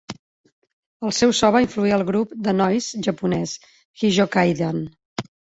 El seu so va influir el grup de noise japonès Hijokaidan.